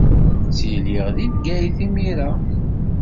Ttiliɣ deg Bgayet imir-a.